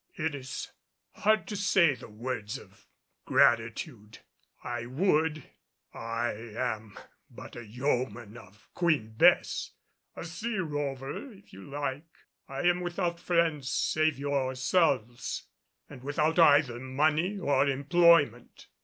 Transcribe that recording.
It is hard to say the words of gratitude I would. I am but a yeoman of Queen Bess, a sea rover if you like. I am without friends save yourselves, and without either money or employment.